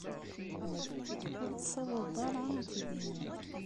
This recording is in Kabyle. Ur tessawaḍeḍ ara ad t-id-tiniḍ.